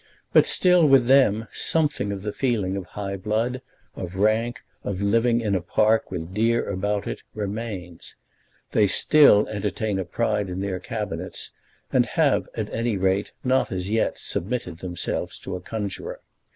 But still with them something of the feeling of high blood, of rank, and of living in a park with deer about it, remains. They still entertain a pride in their Cabinets, and have, at any rate, not as yet submitted themselves to a conjuror.